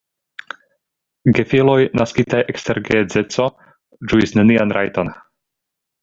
Gefiloj naskitaj ekster geedzeco ĝuis nenian rajton.